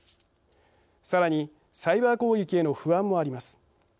さらにサイバー攻撃への不安もあります。